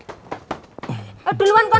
eh duluan kano